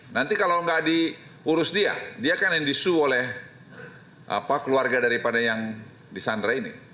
nanti kalau nggak diurus dia dia kan yang disue oleh keluarga daripada yang disandra ini